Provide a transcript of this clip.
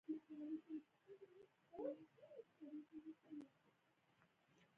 امیر صېب ته ما وې " نن دې ناوخته کړۀ "